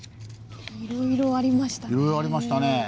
いろいろありましたね。